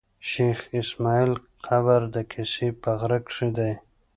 شېخ اسماعیل قبر د کسي په غره کښي دﺉ.